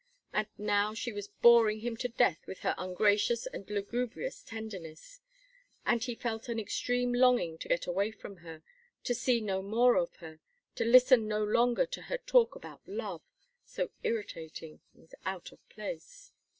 And now she was boring him to death with her ungracious and lugubrious tenderness; and he felt an extreme longing to get away from her, to see no more of her, to listen no longer to her talk about love, so irritating and out of place.